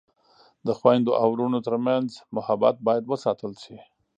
د خویندو او ورونو ترمنځ محبت باید وساتل شي.